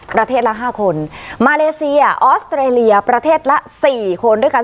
ประเทศละห้าคนมาเลเซียออสเตรเลียประเทศละสี่คนด้วยกัน